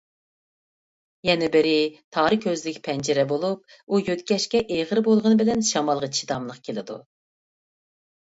يەنە بىرى، تار كۆزلۈك پەنجىرە بولۇپ، ئۇ يۆتكەشكە ئېغىر بولغىنى بىلەن شامالغا چىداملىق كېلىدۇ.